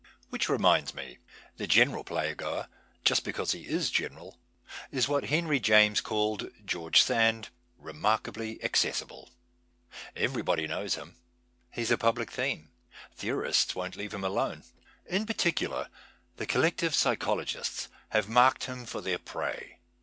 Which reminds me. The general playgoer just because he is general, is what Henry James called George Sand : remarkably accessible. Everybody knows him. He is a public theme. Theorists won't leave him alone. In particular, the collective psy chologists have marked him for their ]">rey.